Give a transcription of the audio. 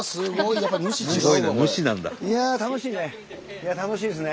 いやあ楽しいね。